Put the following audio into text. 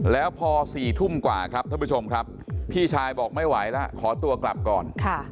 แล้วพอ๔ทุ่มกว่าครับท่านผู้ชมครับพี่ชายบอกไม่ไหวแล้วขอตัวกลับก่อน